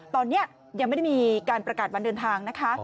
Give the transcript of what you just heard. ตอนนี้ยังไม่ได้มีการประกาศวันเดินทางนะคะ